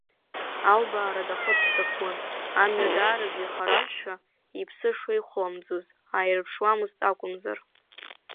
Албаара дахыццакуан, амҩа даараӡа ихаразшәа, иԥсы шеихәламӡоз ааирԥшуамызт акәымзар.